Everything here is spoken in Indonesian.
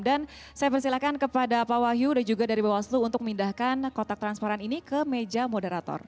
dan saya persilahkan kepada pak wahyu dan juga dari bawahoslu untuk pindahkan kotak transparan ini ke meja moderator